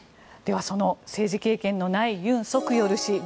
では、その政治経験のないユン・ソクヨル氏。